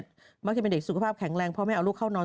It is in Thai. มักจะเป็นเด็กสุขภาพแข็งแรงเพราะไม่เอาลูกเข้านอน